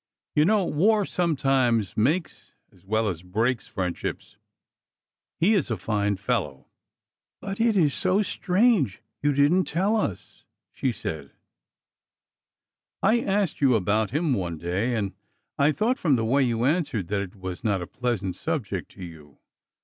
You know war sometimes makes, as well as breaks, friendships. He is a fine fellow." But it is so strange you did n't tell us," she said. FORTUNES OF LOVE AND WAR 377 '' I asked you about him one day, and I thought, from the way you answered, that it was not a pleasant subject to you.